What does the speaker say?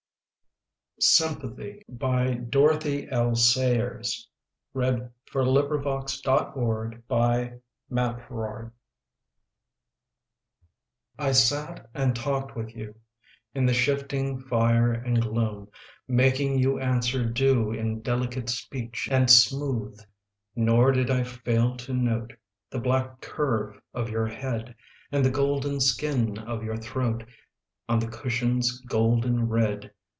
ow What a little, little lord you were, because I loved you so. SYMPATHY I sat and talked with you In the shifting fire and gloom, Making you answer due In delicate speech and smooth Nor did I fail to note The black curve of your head And the golden skin of your throat On the cushion's golden red.